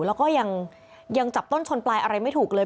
แล้วก็ยังจับต้นชนปลายอะไรไม่ถูกเลย